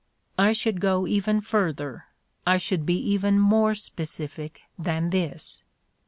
I should go even further, I should be even more specific, than this.